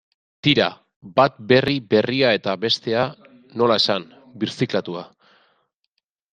Tira, bat berri berria eta bestea, nola esan, birziklatua.